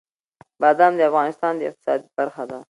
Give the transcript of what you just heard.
بادام د افغانستان د اقتصاد برخه ده.